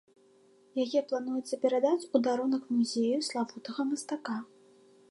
Яе плануецца перадаць у дарунак музею славутага мастака.